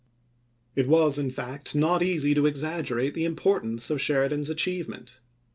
It was, in fact, not easy to exaggerate the impor tance of Sheridan's achievement.